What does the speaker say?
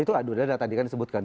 itu aduh sudah tadi kan disebutkan